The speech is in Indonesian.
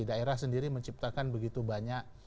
daerah sendiri menciptakan begitu banyak